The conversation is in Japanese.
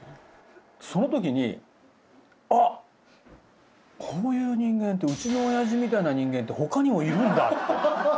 その時にあっこういう人間ってうちの親父みたいな人間って他にもいるんだって。